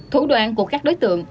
thủ đoạn của các đối tượng